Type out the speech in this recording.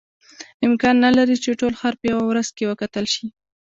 امکان نه لري چې ټول ښار په یوه ورځ کې وکتل شي.